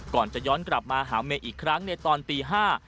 ก่อนจะย้อนกลับมาหาเมย์อีกครั้งในตอนตี๕